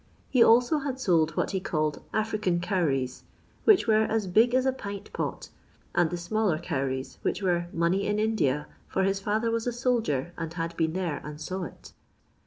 He also had sold what he called " African cowries," which were as " big as a pint pot," and the smaller cowries, which were money in India, for his £ither was a soldier and had been there and saw it."